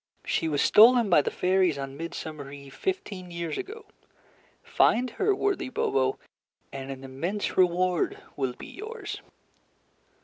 "She was stolen by the fairies on midsummer eve fifteen years ago. Find her, worthy Bobo, and an immense reward will be yours."